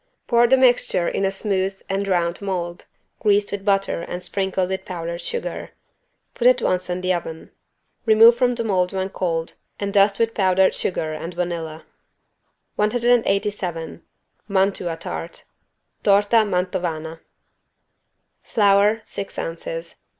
Pour the mixture in a smooth and round mold, greased with butter and sprinkled with powdered sugar. Put at once in the oven. Remove from the mold when cold and dust with powdered sugar and vanilla. 187 MANTUA TART (Torta Mantovana) Flour, six ounces.